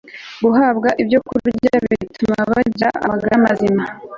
guhabwa ibyokurya bituma bagira amagara mazima